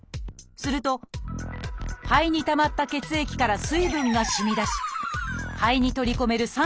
すると肺に溜まった血液から水分がしみ出し肺に取り込める